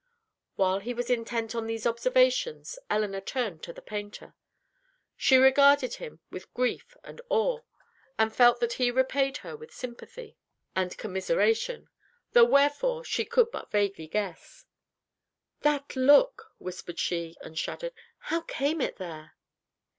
While he was intent on these observations, Elinor turned to the painter. She regarded him with grief and awe, and felt that he repaid her with sympathy and commiseration, though wherefore she could but vaguely guess. "That look!" whispered she, and shuddered. "How came it there?"